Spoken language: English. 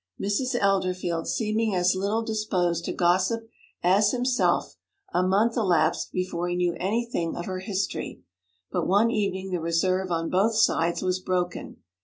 Mrs. Elderfield seeming as little disposed to gossip as himself, a month elapsed before he knew anything of her history; but one evening the reserve on both sides was broken.